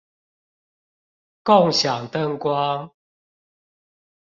共享燈光